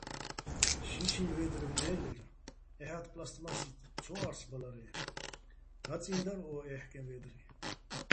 შიშინ ვე́დრევ ლე́ლერ, ეჰ̦ა́თ პლასტმასი ცო ა́რსბალარე, დაწიჼ დარ ო ჺეჰკეჼ ვე́დრი.